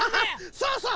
そうそう。